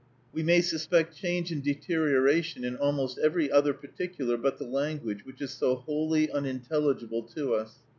We may suspect change and deterioration in almost every other particular but the language which is so wholly unintelligible to us.